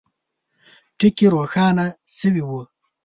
ټکي روښانه سوي وه.